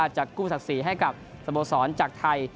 จะกู้ศักดิ์ศรีให้กับสโมสรจากไทย